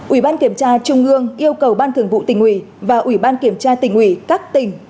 ủy ban kiểm tra trung ương yêu cầu ban thường vụ tỉnh ủy và ủy ban kiểm tra tỉnh ủy các tỉnh